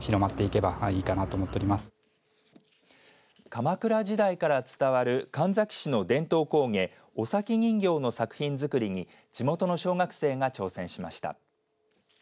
鎌倉時代から伝わる神埼市の伝統工芸尾崎人形の作品作りに地元の小学生たちが挑戦しました。